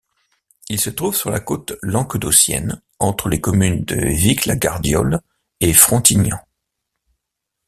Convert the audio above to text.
Il se trouve sur la côte languedocienne entre les communes de Vic-la-Gardiole et Frontignan.